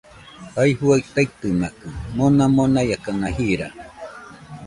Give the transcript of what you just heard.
Jae juaɨ taitɨmakɨ, mona monaiakana jira